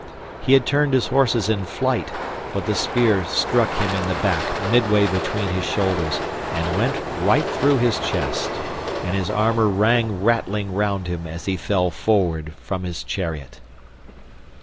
He had turned his horses in flight, but the spear struck him in the back midway between his shoulders and went right through his chest, and his armour rang rattling round him as he fell forward from his chariot.